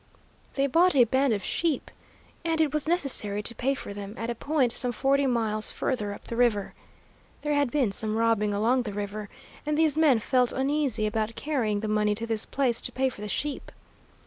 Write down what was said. "They bought a band of sheep, and it was necessary to pay for them at a point some forty miles further up the river. There had been some robbing along the river, and these men felt uneasy about carrying the money to this place to pay for the sheep.